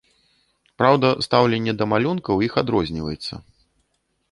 Праўда, стаўленне да малюнка ў іх адрозніваецца.